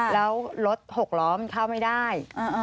แล้วรถหกล้อมันเข้าไม่ได้